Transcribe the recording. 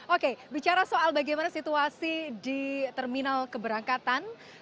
oke bicara soal bagaimana situasi di terminal keberangkatan